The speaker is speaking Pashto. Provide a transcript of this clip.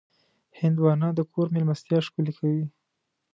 هندوانه د کور مېلمستیا ښکلې کوي.